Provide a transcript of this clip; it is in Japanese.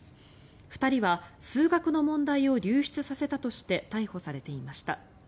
２人は数学の問題を流出させたとして逮捕されていました。